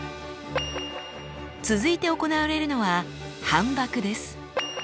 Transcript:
続いて行われるのは反ばくです。